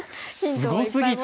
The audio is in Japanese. すごすぎた。